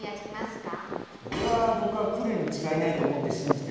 それは僕は来るに違いないと思って信じてる。